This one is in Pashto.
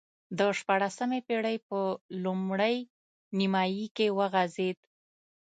په شپاړسمې پېړۍ په لومړۍ نییمایي کې وغځېد.